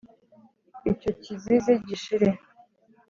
Icyo kizizi gishire.